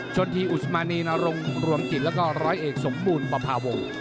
ชนทีอุสมานีนรงรวมจิตแล้วก็ร้อยเอกสมบูรณ์ประพาวงศ์